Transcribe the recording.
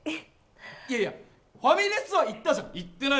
いやいや、ファミレスは行ったじゃん？